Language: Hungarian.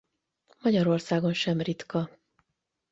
Magyarországon sem ritka.